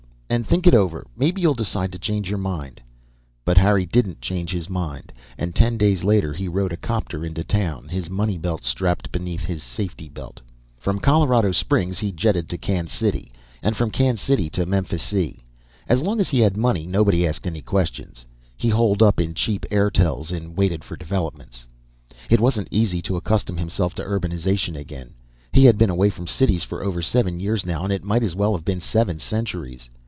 And think it over. Maybe you'll decide to change your mind." But Harry didn't change his mind. And ten days later he rode a 'copter into town, his money belt strapped beneath his safety belt. From Colorado Springs he jetted to Kancity, and from Kancity to Memphisee. As long as he had money, nobody asked any questions. He holed up in cheap airtels and waited for developments. It wasn't easy to accustom himself to urbanization again. He had been away from cities for over seven years now, and it might well have been seven centuries.